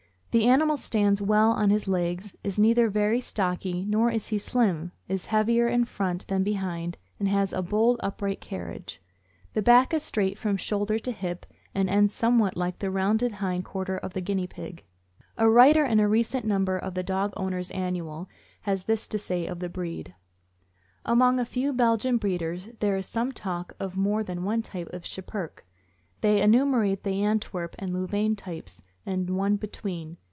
The animal stands well on his legs, is neither very stocky nor is he slim, is heavier in front than behind, and has a bold and upright carriage. The back is straight from shoulder to hip, and ends somewhat like the rounded hind quarter of the guinea pig. A writer in a recent number of the Dog Owners' Annual has this to say of the breed : Among a few Belgian breeders there is some talk of more than one type of Schipperke. They enumerate the Antwerp and Louvain types and one between.